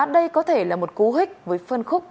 đây có thể là một cú hích với phân khúc